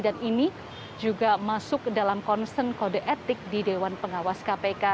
dan ini juga masuk dalam konsen kode etik di dewan pengawas kpk